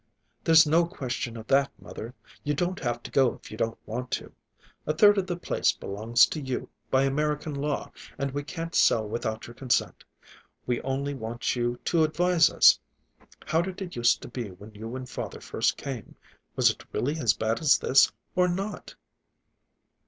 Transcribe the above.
"There's no question of that, mother. You don't have to go if you don't want to. A third of the place belongs to you by American law, and we can't sell without your consent. We only want you to advise us. How did it use to be when you and father first came? Was it really as bad as this, or not?"